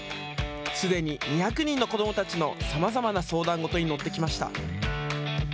すでに２００人の子どもたちのさまざまな相談ごとに乗ってきました。